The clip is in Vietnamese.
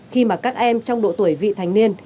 khi mà các em trong độ tuổi vị thành niên